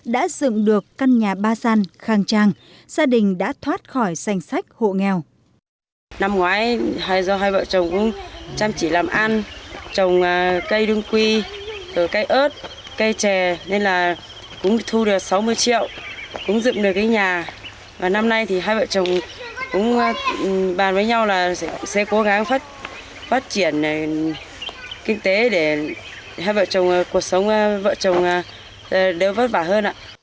đã dựng được căn nhà ba san khang trang gia đình đã thoát khỏi danh sách hộ nghèo